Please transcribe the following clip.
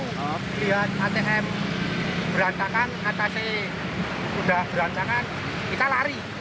lihat atm berantakan atc sudah berantakan kita lari